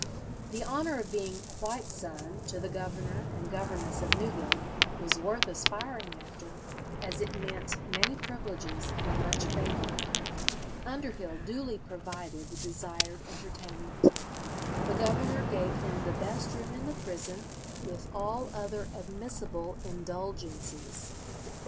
The honour of being "white son" to the governor and governess of Newgate was worth aspiring after, as it meant many privileges and much favour. Underhill duly provided the desired entertainment. The governor gave him the best room in the prison, with all other admissible indulgences.